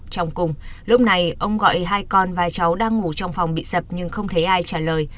trong cùng lúc này ông gọi hai con và cháu đang ngủ trong phòng bị sập nhưng không thấy ai trả lời